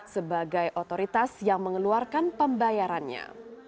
sebagai otoritas yang mengeluarkan pembayarannya